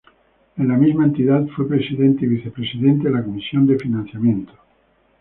En la misma entidad, fue presidente y vicepresidente de la Comisión de Financiamiento.